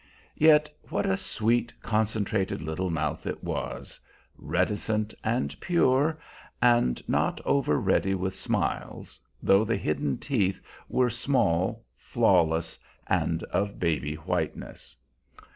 Yet what a sweet, concentrated little mouth it was, reticent and pure, and not over ready with smiles, though the hidden teeth were small, flawless, and of baby whiteness!